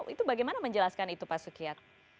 itu bagaimana menjelaskan itu pak sukyat